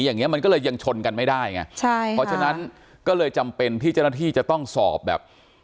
อย่างเงี้มันก็เลยยังชนกันไม่ได้ไงใช่เพราะฉะนั้นก็เลยจำเป็นที่เจ้าหน้าที่จะต้องสอบแบบ